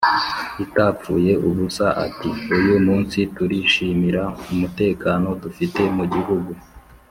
Itapfuye ubusa ati uyu munsi turishimira umutekano dufite mu gihugu